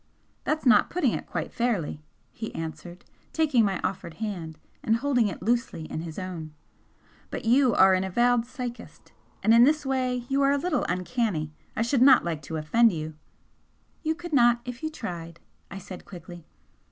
"That's not putting it quite fairly," he answered, taking my offered hand and holding it loosely in his own "But you are an avowed psychist, and in this way you are a little 'uncanny.' I should not like to offend you " "You could not if you tried," I said, quickly.